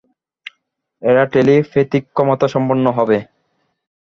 এরা টেলিপ্যাথিক ক্ষমতাসম্পন্ন হবে।